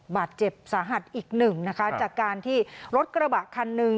บาดเจ็บสาหัสอีกหนึ่งนะคะจากการที่รถกระบะคันหนึ่ง